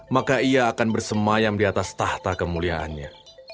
maka ia akan bersemayam di atas tahta kemuliaannya